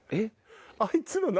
あいつの何？